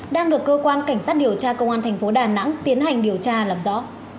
đang được cơ quan cảnh sát điều tra công an thành phố đà nẵng tiến hành điều tra làm rõ